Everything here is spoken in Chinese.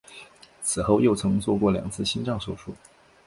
此后又曾做过两次心脏手术。